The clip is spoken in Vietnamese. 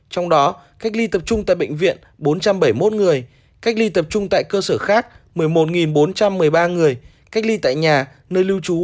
trong đó cách ly tập trung tại bệnh viện bốn trăm bảy mươi một người cách ly tập trung tại cơ sở khác một mươi một bốn trăm một mươi ba người cách ly tại nhà nơi lưu trú năm mươi sáu một trăm sáu mươi năm người